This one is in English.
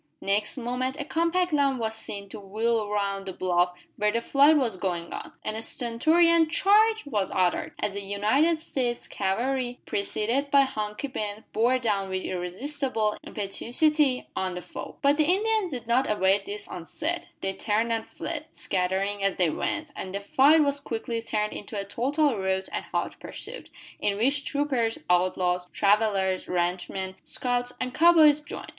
Next moment a compact line was seen to wheel round the bluff where the fight was going on, and a stentorian "Charge!" was uttered, as the United States cavalry, preceded by Hunky Ben, bore down with irresistible impetuosity on the foe. But the Indians did not await this onset. They turned and fled, scattering as they went, and the fight was quickly turned into a total rout and hot pursuit, in which troopers, outlaws, travellers, ranch men, scouts, and cow boys joined.